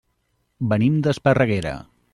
Venim d'Esparreguera.